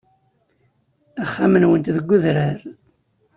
Axxam-nwent deg udrar.